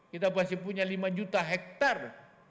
kita pasti punya lima juta hektare